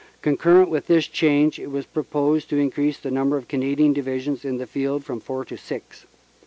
Concurrently with this change, it was pro posed to increase the number of Canadian Divisions in the field from four to six.